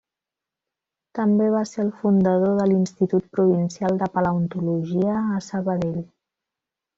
També va ser el fundador de l'Institut Provincial de Paleontologia a Sabadell.